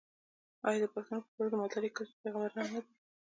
آیا د پښتنو په کلتور کې د مالدارۍ کسب د پیغمبرانو نه دی؟